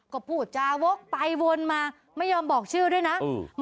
ก็พูดจาวกไปวนมาไม่ยอมบอกชื่อด้วยนะอืม